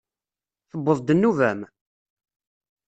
Tewweḍ-d nnuba-m?